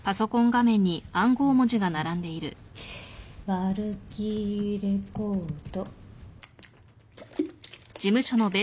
ワルキーレ・コード。